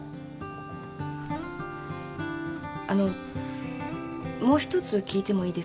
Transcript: あのもう一つ聞いてもいいですか？